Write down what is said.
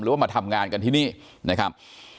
ว่ามาทำงานกันที่นี่นะครับ